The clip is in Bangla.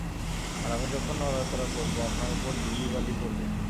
আর আমি যখন নড়াচড়া করব আপনার উপর ধূলিবালি পড়বে।